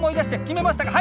決めましたか？